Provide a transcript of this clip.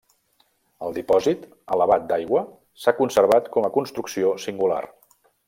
El dipòsit elevat d'aigua s'ha conservat com a construcció singular.